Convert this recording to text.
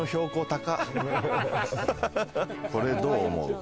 これ、どう思う？